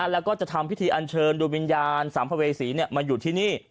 แล้วก็จะทำพิธีอันเชิญดูวิญญาณสัมภเวษีมาอยู่ที่นี่